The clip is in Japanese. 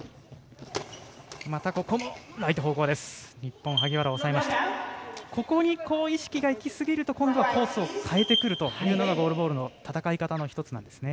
ここに意識が行きすぎると今度はコースを変えてくるのがゴールボールの戦い方の１つなんですね。